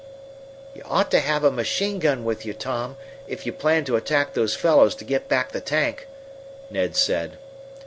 "You ought to have a machine gun with you, Tom, if you plan to attack those fellows to get back the tank," Ned said.